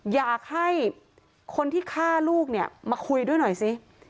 อยากให้คนที่ฆ่าลูกเนี่ยมาคุยด้วยหน่อยสิ